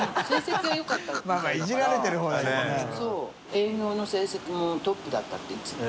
営業の成績もトップだったっていつも。